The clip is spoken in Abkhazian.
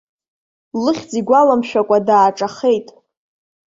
Лыхьӡ игәаламшәакәа дааҿахеит.